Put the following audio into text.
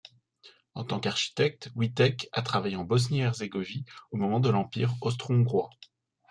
En tant qu'architecte, Wittek a travaillé en Bosnie-Herzégovine au moment de l'Empire austro-hongrois.